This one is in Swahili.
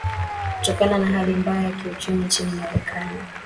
tokana na hali mbaya ya kiuchumi nchini marekani